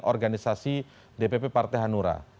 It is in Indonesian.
organisasi dpp partai hanura